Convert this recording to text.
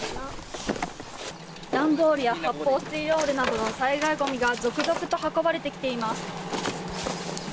段ボールや発泡スチロールなどの災害ごみが続々と運ばれてきています。